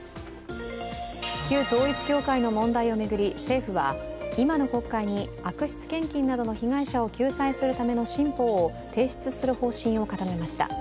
旧統一教会の問題を巡り政府は今の国会に悪質献金などの被害者を救済するための新法を提出する方針を固めました。